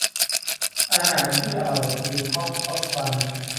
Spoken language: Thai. อาหารที่อร่อยคือฮอตครอสบันส์